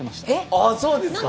あっそうですか？